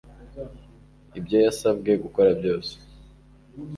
ibyo yasabwe gukora byose